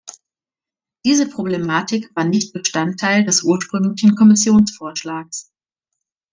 Diese Problematik war nicht Bestandteil des ursprünglichen Kommissionsvorschlags.